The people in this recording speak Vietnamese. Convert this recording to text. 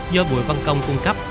do bùi văn công cung cấp